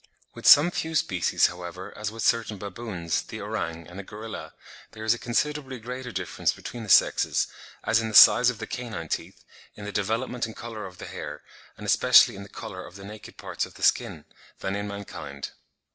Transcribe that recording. With some few species, however, as with certain baboons, the orang and the gorilla, there is a considerably greater difference between the sexes, as in the size of the canine teeth, in the development and colour of the hair, and especially in the colour of the naked parts of the skin, than in mankind.